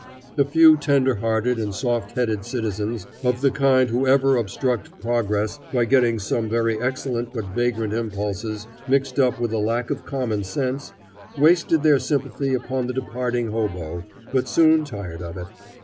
A few tender hearted and soft headed citizens, of the kind who ever obstruct progress by getting some very excellent but vagrant impulses mixed up with a lack of common sense, wasted their sympathy upon the departing hobo, but soon tired of it.